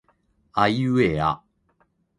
あいうえあ